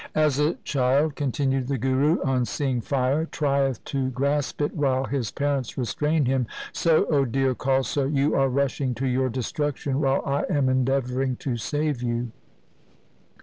' As a child,' continued the Guru, ' on seeing fire, trieth to grasp it while his parents restrain him, so, O dear Khalsa, you are rushing to your destruction, while I am endeavouring to save you.'